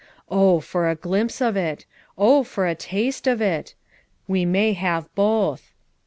Oh, for a glimpse of it! oh, for a taste of it! We may have both.